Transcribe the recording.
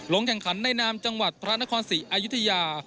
ลงแข่งขันในนามจังหวัดพระนครศรีอายุทยา